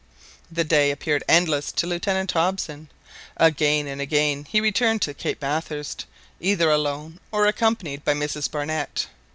The day appeared endless to Lieutenant Hobson. Again and again he returned to Cape Bathurst either alone, or accompanied by Mrs Barnett.